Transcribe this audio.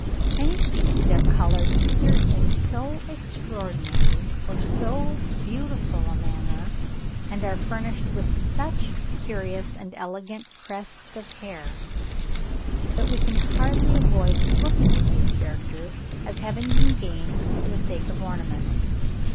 Many species are coloured either in so extraordinary or so beautiful a manner, and are furnished with such curious and elegant crests of hair, that we can hardly avoid looking at these characters as having been gained for the sake of ornament.